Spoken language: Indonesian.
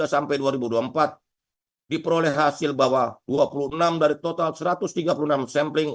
sampai dua ribu dua puluh empat diperoleh hasil bahwa dua puluh enam dari total satu ratus tiga puluh enam sampling